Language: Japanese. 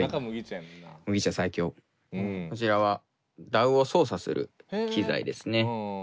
こちらはＤＡＷを操作する機材ですね。